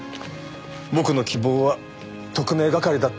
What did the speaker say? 僕の希望は特命係だったんですが。